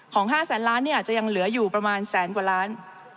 ของห้าแสนล้านเนี่ยอาจจะยังเหลืออยู่ประมาณแสนกว่าล้าน